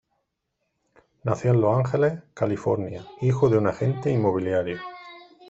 Nació en Los Ángeles, California, hijo de un agente inmobiliario.